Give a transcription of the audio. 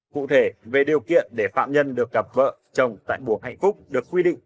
cụ thể về điều kiện để phạm nhân được gặp vợ chồng tại mùa hạnh phúc được quy định